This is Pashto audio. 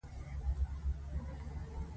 خلکو نورې کیسې هم په بابا پورې تړل.